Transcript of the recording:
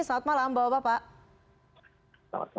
terima kasih atas waktunya pada malam hari ini